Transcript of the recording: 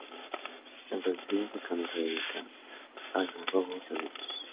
El reducido secano se dedica a algarrobos y olivos.